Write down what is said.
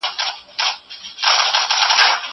قلم د زده کوونکي له خوا استعمالوم کيږي!!